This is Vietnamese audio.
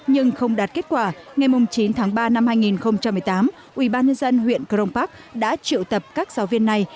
nhưng không đạt kết quả ngày chín tháng ba năm hai nghìn một mươi tám ubnd huyện kronpark đã trự tập các giáo viên này